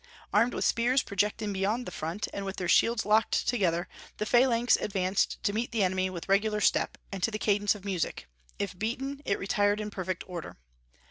Armed with spears projecting beyond the front, and with their shields locked together, the phalanx advanced to meet the enemy with regular step, and to the cadence of music; if beaten, it retired in perfect order.